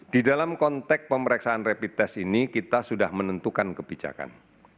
di dalam konteks pemeriksaan rapid test ini kita sudah menentukan kebijakan